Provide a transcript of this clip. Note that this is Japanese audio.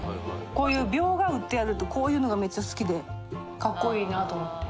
こういう鋲がうってあるとこういうのがめっちゃ好きでかっこいいなと思って。